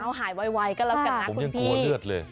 เอาหายไวก็แล้วกันนะคุณพี่